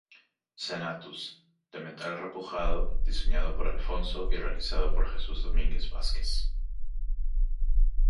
Senatus: De metal repujado, diseñado por Alfonso y realizado por Jesús Domínguez Vázquez.